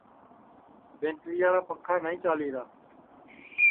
بیٹریاڑا پکھا نائی چالیرا